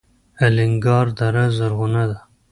الینګار دره زرغونه ده؟